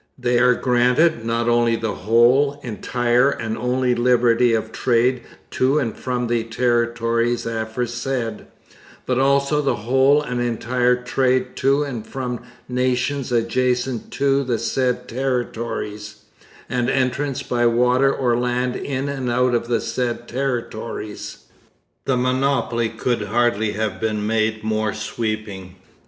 They are granted, not only the whole, entire, and only liberty of trade to and from the territories aforesaid, but also the whole and entire trade to and from nations adjacent to the said territories, and entrance by water or land in and out of the said territories. The monopoly could hardly have been made more sweeping.